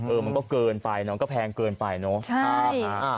มันก็เกินไปเนอะก็แพงเกินไปเนอะ